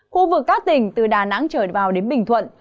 khu vực các tỉnh từ đà nẵng trở vào đến bình thuận